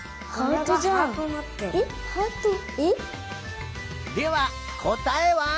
ではこたえは？